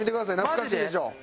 懐かしいでしょ？